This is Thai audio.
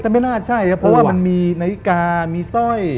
เพราะว่ามันมีนาฬิกามีสร้อย